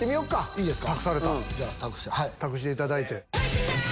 いいですか？